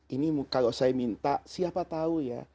ini kalau saya minta siapa tahu ya